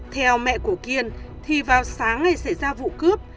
theo mẹ của kiên thì vào sáng ngày xảy ra vụ cướp